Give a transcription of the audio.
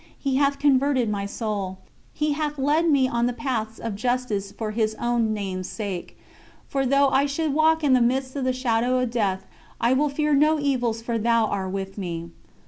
He hath converted my soul. He hath led me on the paths of justice for His own Name's sake. For though I should walk in the midst of the shadow of death, I will fear no evils for Thou are with me."